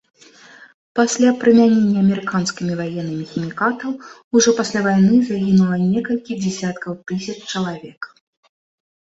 Пасля прымянення амерыканскімі ваеннымі хімікатаў ўжо пасля вайны загінула некалькі дзесяткаў тысяч чалавек.